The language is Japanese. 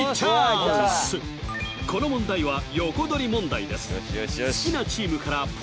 この問題は横取り問題です